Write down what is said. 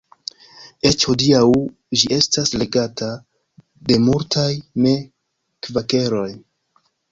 Eĉ hodiaŭ ĝi estas legata de multaj ne-kvakeroj.